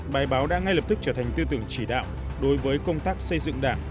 bài báo đã ngay lập tức trở thành tư tưởng chỉ đạo đối với công tác xây dựng đảng